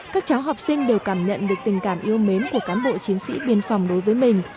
các cháu học sinh đều cảm nhận được tình cảm yêu mến của cán bộ chiến sĩ biên phòng đối với mình